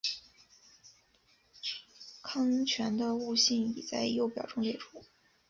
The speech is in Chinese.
糠醛的物性已在右表中列出。